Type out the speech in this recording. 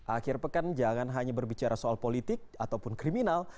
akhir pekan jangan hanya berbicara soal politik ataupun kriminal